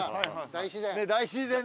大自然。